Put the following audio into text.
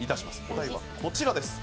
お題はこちらです。